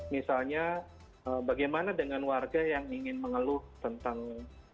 misalnya bagaimana dengan warga yang ingin mengeluh tentang